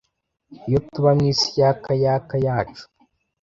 Iyo tuba mw'isi yaka-yaka yacu,